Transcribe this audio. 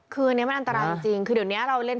คือเนี้ยมันอันตรายจริงจริงคือเดี๋ยวเนี้ยเราเล่น